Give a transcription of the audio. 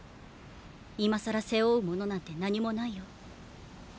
今更背負うものなんて何も無いよ。